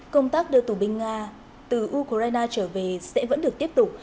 công tác đưa tù binh nga từ ukraine trở về sẽ vẫn được tiếp tục